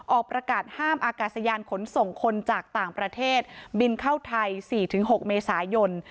ออกประกาศห้ามอากาศยานขนส่งคนจากต่างประเทศบินเข้าไทย๔๖เมษายน